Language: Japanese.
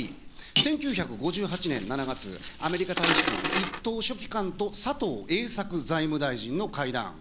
１９５８年７月、アメリカ大使館一等書記官と佐藤栄作財務大臣の会談。